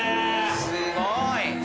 すごい。